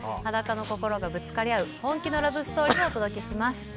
裸の心がぶつかり合う本気のラブストーリーをお届けします。